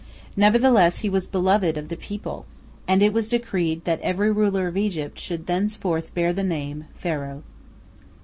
Nevertheless he was beloved of the people, and it was decreed that every ruler of Egypt should thenceforth bear the name Pharaoh.